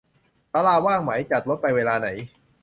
ศาลาว่างไหม จัดรถไปเวลาไหน